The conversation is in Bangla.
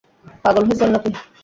পাগল হইছেন নাকি?